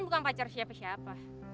bukan pacar siapa siapa